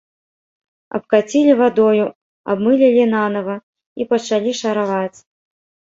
Абкацілі вадою, абмылілі нанава і пачалі шараваць.